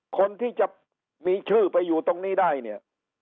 คนที่จะมีชื่อไปอยู่ตรงนี้ได้เนี่ย